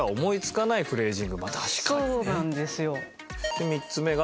で３つ目が。